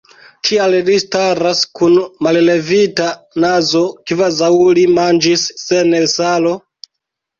Kial li staras kun mallevita nazo, kvazaŭ li manĝis sen salo?